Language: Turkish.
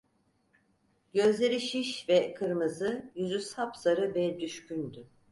Gözleri şiş ve kırmızı, yüzü sapsarı ve düşkündü.